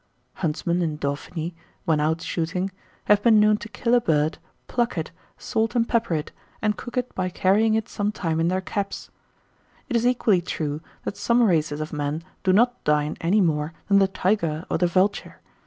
Huntsmen in Dauphiny, when out shooting, have been known to kill a bird, pluck it, salt and pepper it, and cook it by carrying it some time in their caps. It is equally true that some races of men do not dine any more than the tiger or the vulture.